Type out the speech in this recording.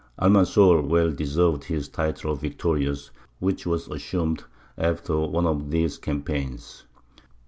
Almanzor well deserved his title of "Victorious," which was assumed after one of these campaigns.